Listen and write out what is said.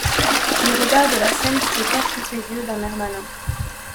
Il regarde la scène qui se passe sous ses yeux d’un air malin.